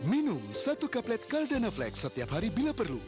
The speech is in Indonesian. minum satu kaplet caldana flex setiap hari bila perlu